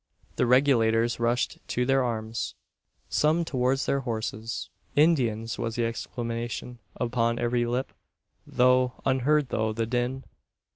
The Regulators rushed to their arms some towards their horses. "Indians!" was the exclamation upon every lip, though unheard through the din.